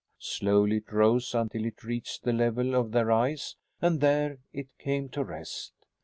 Slowly it rose until it reached the level of their eyes and there it came to rest.